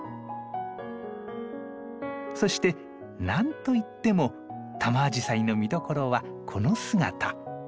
そして何といってもタマアジサイの見どころはこの姿。